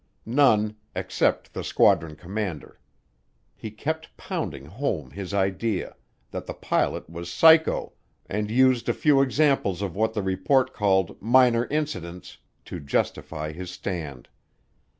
None, except the squadron commander. He kept pounding home his idea that the pilot was "psycho" and used a few examples of what the report called "minor incidents" to justify his stand.